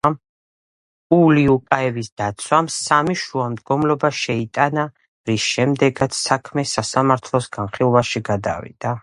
ულიუკაევის დაცვამ სამი შუამდგომლობა შეიტანა, რის შემდეგაც საქმე სასამართლოს განხილვაში გადავიდა.